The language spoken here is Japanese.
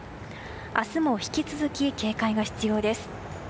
明日も引き続き警戒が必要です。